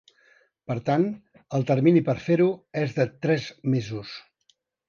Per tant, el termini per fer-ho és de tres mesos.